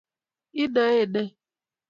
inoe ne?